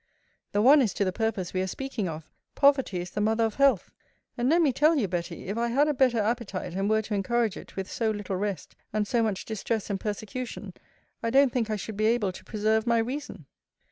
The one is to the purpose we are speaking of: Poverty is the mother of health. And let me tell you, Betty, if I had a better appetite, and were to encourage it, with so little rest, and so much distress and persecution, I don't think I should be able to preserve my reason.